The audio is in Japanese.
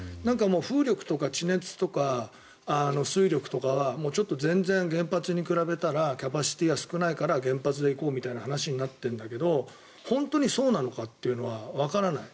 風力とか地熱とか水力とかはちょっと全然、原発に比べたらキャパシティーが少ないから原発で行こうみたいな話になっているんだけど本当にそうなのかというのはわからない。